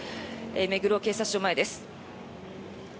目黒警察署前です。